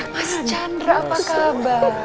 mas chandra apa kabar